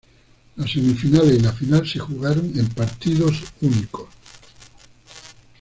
Las semifinales y la final se jugaron en partidos únicos.